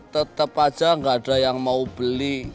tetep aja gak ada yang mau beli